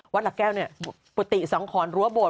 วัดหลักแก้วปุตติสองขอนรั้วบท